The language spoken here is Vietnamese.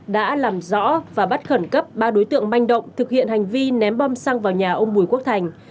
đã làm rõ và bắt khẩn cấp ba đối tượng manh động thực hiện hành vi ném bom xăng vào nhà ông bùi quốc thành